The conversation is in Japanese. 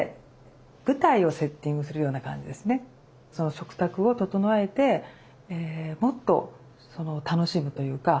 食卓を整えてもっと楽しむというか。